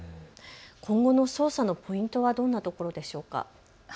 今後の捜査のポイントはどんなところでしょうか。